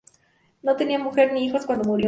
No tenía mujer ni hijos cuando murió.